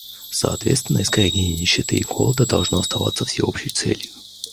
Соответственно, искоренение нищеты и голода должно оставаться всеобщей целью.